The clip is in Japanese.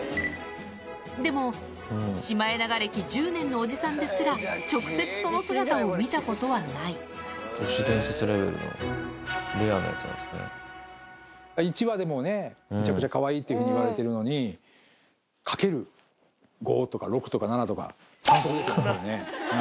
でも、シマエナガ歴１０年のおじさんですら、直接その姿を見たことはな都市伝説レベルの、レアなや１羽でもね、めちゃくちゃかわいいといわれてるのに、×５とか６とか７とか、反則ですよね。